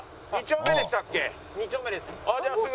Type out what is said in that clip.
２丁目です。